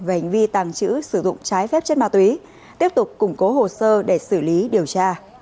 về hành vi tàng trữ sử dụng trái phép chất ma túy tiếp tục củng cố hồ sơ để xử lý điều tra